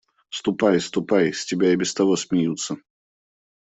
– Ступай! ступай! с тебя и без того смеются!